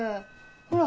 ほら